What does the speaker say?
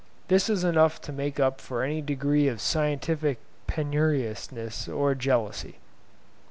This is enough to make up for any degree of scientific penuriousness or jealousy.